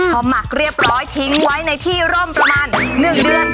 พอหมักเรียบร้อยทิ้งไว้ในที่ร่มประมาณ๑เดือน